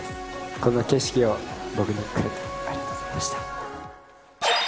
この景色を僕にくれてありがとうございました。